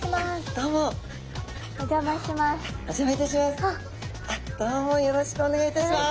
どうもよろしくおねがいいたします。